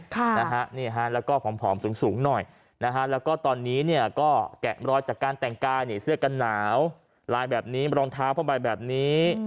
ค่ะนะฮะนี่ฮะแล้วก็ผอมสูงสูงหน่อยนะฮะแล้วก็ตอนนี้เนี่ยก็แกะรอยจากการแต่งกายนี่เสื้อกันหนาวลายแบบนี้รองเท้าผ้าใบแบบนี้